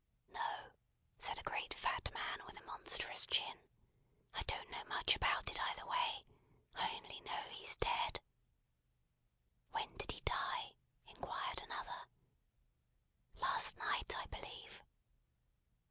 "No," said a great fat man with a monstrous chin, "I don't know much about it, either way. I only know he's dead." "When did he die?" inquired another. "Last night, I believe."